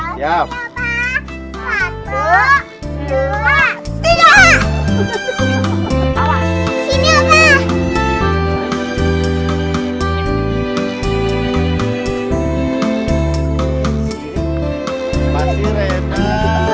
selamat kepada referensi